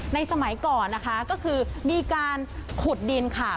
สมัยก่อนนะคะก็คือมีการขุดดินค่ะ